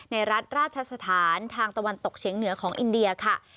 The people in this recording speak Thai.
รัฐราชสถานทางตะวันตกเฉียงเหนือของอินเดียค่ะ